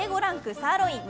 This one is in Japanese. サーロイン！